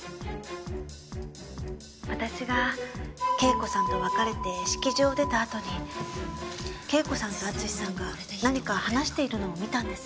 私が圭子さんと別れて式場を出たあとに圭子さんと淳史さんが何か話しているのを見たんです。